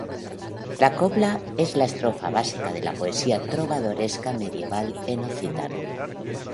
La cobla es la estrofa básica de la poesía trovadoresca medieval en occitano.